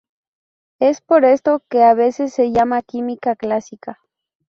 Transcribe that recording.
Es por esto que a veces se le llama química clásica.